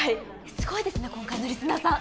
すごいですね今回のリスナーさん。